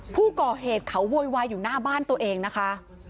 ผู้ก่อเหตุเขาโวยวายอยู่หน้าบ้านตัวเองนะคะ